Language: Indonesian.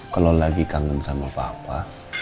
kalau lagi kangen sama papa